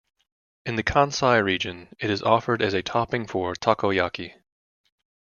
In the Kansai region, it is offered as a topping for "takoyaki".